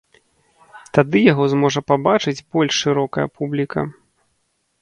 Тады яго зможа пабачыць больш шырокая публіка.